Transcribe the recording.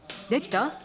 できた？